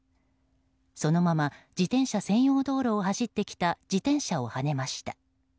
そのまま自転車専用道路を走ってきた自転車をはねました。